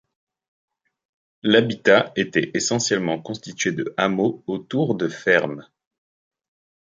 L'habitat était essentiellement constitué de hameaux autour de fermes.